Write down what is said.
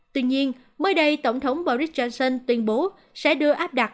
tuy nhiên mới đây tổng thống boris johnson tuyên bố sẽ đưa áp đặt